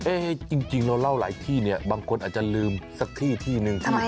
จริงเราเล่าหลายที่เนี่ยบางคนอาจจะลืมสักที่ที่นึง